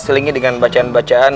selingi dengan bacaan bacaan